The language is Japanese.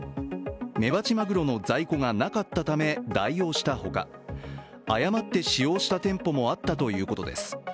メバチマグロの在庫がなかったため、代用したほか、誤って使用した店舗もあったということです。